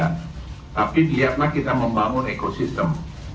tapi lihatlah kita membangun ekosistem